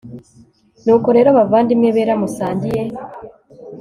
nuko rero bavandimwe bera musangiye